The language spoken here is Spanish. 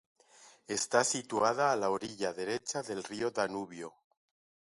Está situada a la orilla derecha del río Danubio.